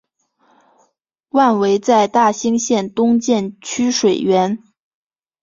万炜在大兴县东建曲水园。